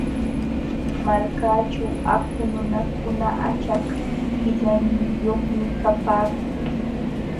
Malkaaćhu apu nunakuna achak qillaniyuqmi kapaakun.